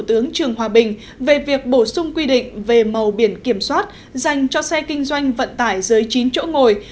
tướng trường hòa bình về việc bổ sung quy định về màu biển kiểm soát dành cho xe kinh doanh vận tải dưới chín chỗ ngồi